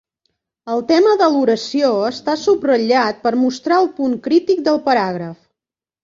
El tema de l'oració està subratllat per mostrar el punt crític del paràgraf.